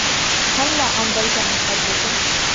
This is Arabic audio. هلا أمضيت من فضلك ؟